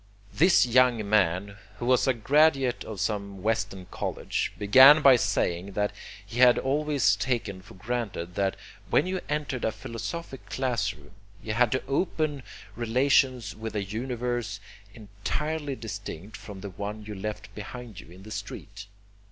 This young man, who was a graduate of some Western college, began by saying that he had always taken for granted that when you entered a philosophic class room you had to open relations with a universe entirely distinct from the one you left behind you in the street.